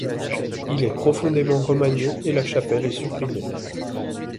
Il est profondément remanié et la Chapelle est supprimée.